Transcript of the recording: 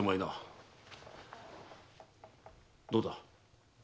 どうだ？